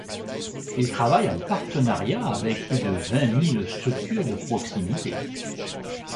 Il travaille en partenariat avec plus de vingt mille structures de proximité.